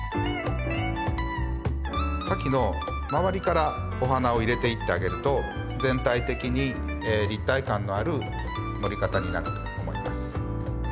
花器の周りからお花を入れていってあげると全体的に立体感のある盛り方になると思います。